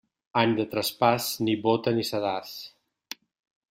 Any de traspàs, ni bóta ni sedàs.